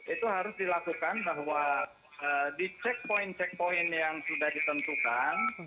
itu harus dilakukan bahwa di checkpoint checkpoint yang sudah ditentukan